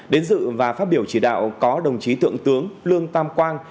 đến dự và phát biểu chỉ đạo có đồng chí thượng tướng lương tam quang